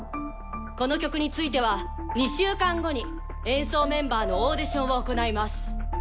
この曲については２週間後に演奏メンバーのオーディションを行います。